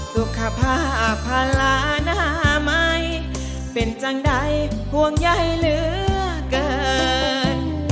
สุขภาพภาระหน้าไหมเป็นจังใดห่วงใยเหลือเกิน